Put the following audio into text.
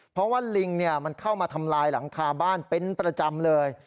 เพราะว่าลิงมันเข้ามาทำลายหลังคาบ้านเป็นประจำเลย